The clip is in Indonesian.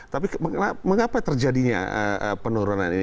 tapi mengapa terjadinya penurunan ini